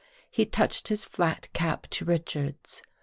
He touched his flat cap to Richards.